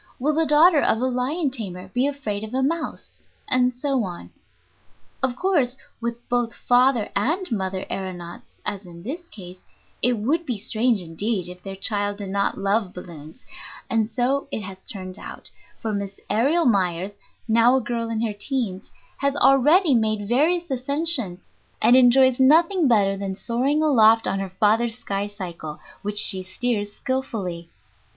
Will the daughter of a lion tamer be afraid of a mouse? And so on. Of course, with both father and mother aëronauts, as in this case, it would be strange indeed if their child did not love balloons; and so it has turned out, for Miss Aërial Myers, now a girl in her teens, has already made various ascensions, and enjoys nothing better than soaring aloft on her father's skycycle, which she steers skilfully.